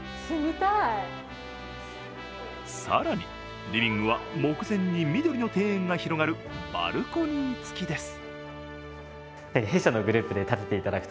更にリビングは、目前に緑の庭園が広がるバルコニー付きです。